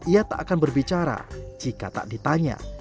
ia tak akan berbicara jika tak ditanya